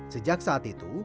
sejak saat itu